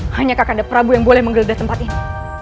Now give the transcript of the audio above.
hanya kakanda prabu yang boleh menggeledah tempat ini